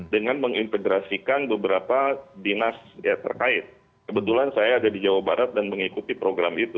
dengan mengintegrasikan beberapa dinas terkait kebetulan saya ada di jawa barat dan mengikuti program itu